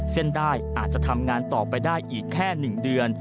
เส้นได้อาจจะทำงานต่อไปได้อีกแค่๑เดือน